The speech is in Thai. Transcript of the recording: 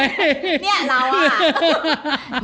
เนี่ยเราอะค่ะ